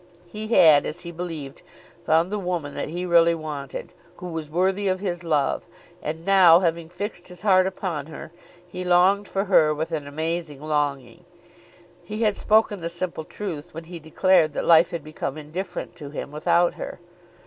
He had, as he believed, found the woman that he really wanted, who was worthy of his love, and now, having fixed his heart upon her, he longed for her with an amazing longing. He had spoken the simple truth when he declared that life had become indifferent to him without her.